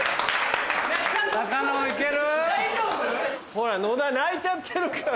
ほら野田泣いちゃってるから。